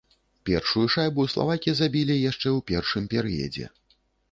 Першую шайбу славакі забілі яшчэ ў першым перыядзе.